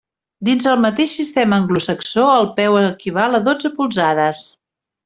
Dins el mateix sistema anglosaxó, el peu equival a dotze polzades.